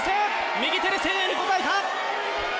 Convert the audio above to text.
右手で声援に応えた！